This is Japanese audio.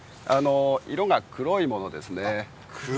色が黒いものですね。